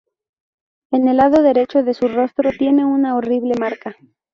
En el lado derecho de su rostro tiene una horrible marca.